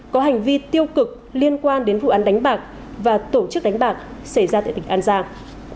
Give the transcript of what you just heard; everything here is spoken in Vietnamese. có hành vi tiêu cực liên quan đến vụ án đánh bạc và tổ chức đánh bạc xảy ra tại tỉnh an giang